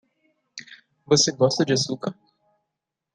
Você gosta de açúcar?